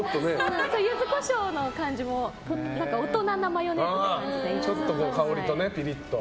ユズコショウの感じも大人なマヨネーズって感じで。